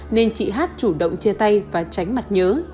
nên chị hát chủ động chia tay và tránh mặt nhớ